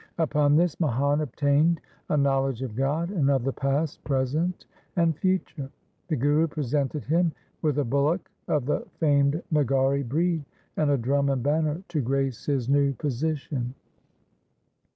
Upon this, Mihan obtained a knowledge of God and of the past, present, and future. The Guru presented him with a bullock of the famed Nagauri breed and a drum and banner to grace his new position.